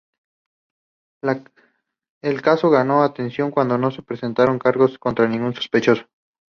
El caso ganó atención cuando no se presentaron cargos contra ningún sospechoso.